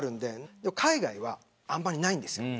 でも海外はあんまりないんです。